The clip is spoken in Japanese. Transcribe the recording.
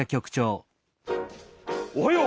おはよう。